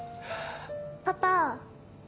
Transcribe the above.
パパ。